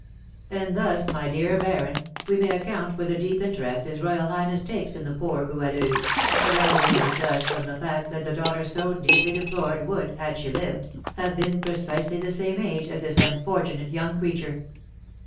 "And thus, my dear baron, we may account for the deep interest his royal highness takes in the poor Goualeuse, arising as it does from the fact that the daughter so deeply deplored would, had she lived, have been precisely the same age as this unfortunate young creature."